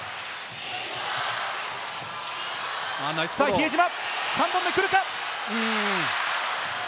比江島、３本目来るか？